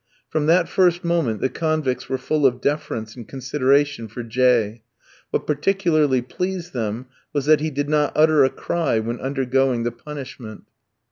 From that first moment the convicts were full of deference and consideration for J ski; what particularly pleased them, was that he did not utter a cry when undergoing the punishment."